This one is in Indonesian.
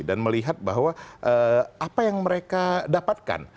dan melihat bahwa apa yang mereka dapatkan